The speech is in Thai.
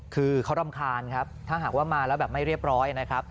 คือเขารำคาญครับถ้าหากว่ามาแล้วแบบไม่เรียบร้อยนะครับ